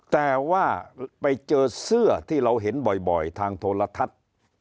แต่ว่าไปเจอเสื้อที่เราเห็นบ่อยทางโทรทัศน์